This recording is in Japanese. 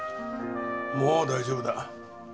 もう大丈夫だ。